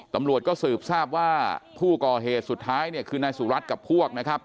ตำรวจก็สืบทราบว่าผู้ก่อเหตุสุดท้ายเนี่ยคือนายสุรัตน์กับพวกนะครับ